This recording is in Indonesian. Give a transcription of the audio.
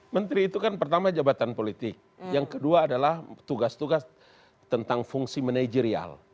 menteri itu kan pertama jabatan politik yang kedua adalah tugas tugas tentang fungsi manajerial